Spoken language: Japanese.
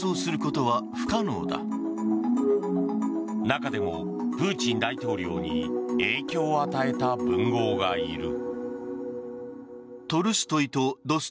中でもプーチン大統領に影響を与えた文豪がいる。